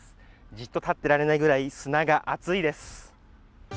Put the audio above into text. じっと立っていられないぐらい砂が熱いです。